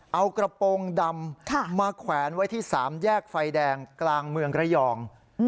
เอากระโปรงดำมาแขวนไว้ที่๓แยกไฟแดงกลางเมืองระยอง